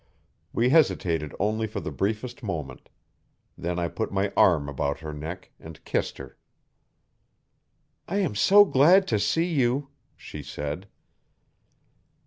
We hesitated only for the briefest moment. Then I put my arm about her neck and kissed her. 'I am so glad to see you,' she said.